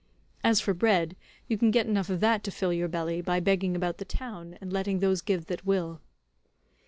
As for bread, you can get enough of that to fill your belly, by begging about the town, and letting those give that will."